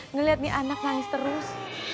ngelihat nih anak nangis terus